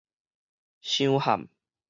傷譀